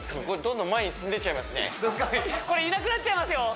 これどんどん前に進んでいっちゃいますね